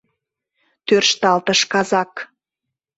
— тӧршталтыш казак.